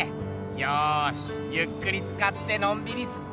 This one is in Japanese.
よしゆっくりつかってのんびりすっか。